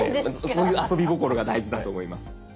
そういう遊び心が大事だと思います。